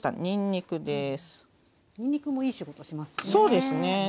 にんにくもいい仕事しますよね。